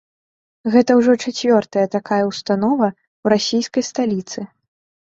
Гэта ўжо чацвёртая такая ўстанова ў расійскай сталіцы.